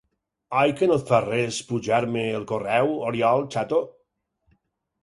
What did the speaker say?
Oi que no et fa res pujar-me el correu, Oriol, xato?